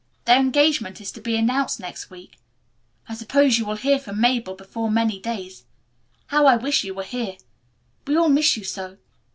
Their engagement is to be announced next week. I suppose you will hear from Mabel before many days. How I wish you were here. We all miss you so.